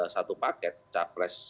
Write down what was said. satu paket capres